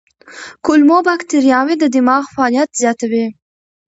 کولمو بکتریاوې د دماغ فعالیت زیاتوي.